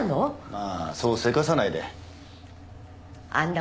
まぁそうせかさないであんな